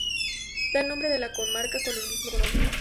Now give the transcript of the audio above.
Da nombre a la comarca con el mismo nombre.